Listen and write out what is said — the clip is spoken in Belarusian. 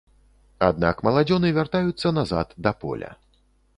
Аднак маладзёны вяртаюцца назад да поля.